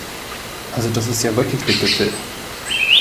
Also das ist ja wirklich der Gipfel!